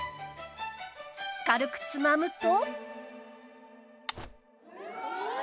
軽くつまむと